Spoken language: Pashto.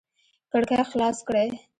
کړکۍ خلاص کړئ